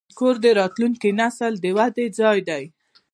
کور د راتلونکي نسل د ودې ځای دی.